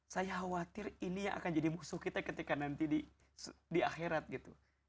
saya khawatir ini yang akan jadi musuh kita ketika nanti di akhirat gitu